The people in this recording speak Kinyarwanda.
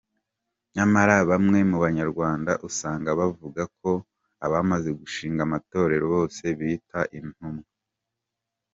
Nyamara bamwe mu Banyarwanda, usanga bavuga ko abamaze gushinga amatorero bose biyita intumwa.